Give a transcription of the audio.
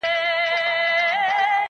هغه وطن مي راته تنور دی -